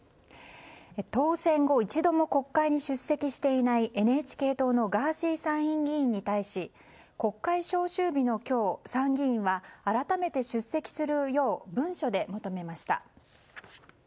当選後、一度も国会に出席していないＮＨＫ党のガーシー参議院議員に対し国会召集日の今日、参議院は改めて出席するよう文書で求めました。